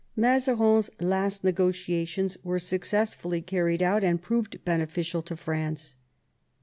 Mazarin's last negotiations were successfully carried out, and proved beneficial to France.